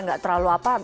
tidak terlalu apa